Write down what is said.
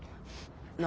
何？